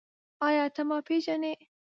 ایا ته ما پېژنې؟